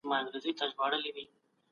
خلګو طبيعي پېښي د خدايانو کار باله.